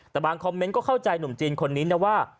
แต่บางคอมเมนต์ก็เข้าใจหนุ่มจีนคนนี้นะว่า